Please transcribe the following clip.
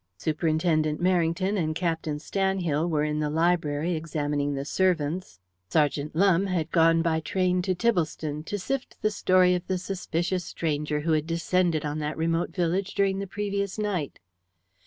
Superintendent Merrington and Captain Stanhill were in the library examining the servants. Sergeant Lumbe had gone by train to Tibblestone to sift the story of the suspicious stranger who had descended on that remote village during the previous night.